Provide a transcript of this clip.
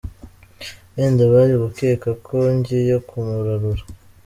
Wenda bari gukeka ko ngiye kumurarura.